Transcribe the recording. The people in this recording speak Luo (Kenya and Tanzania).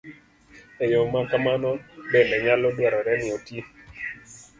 E yo ma kamano bende, nyalo dwarore ni oti